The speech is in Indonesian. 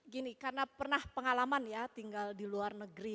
gini karena pernah pengalaman ya tinggal di luar negeri